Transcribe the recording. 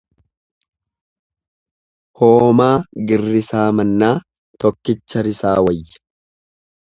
Hoomaa girrisaa mannaa tokkicha risaa wayya.